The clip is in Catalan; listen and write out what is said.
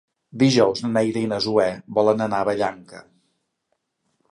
Dijous na Neida i na Zoè volen anar a Vallanca.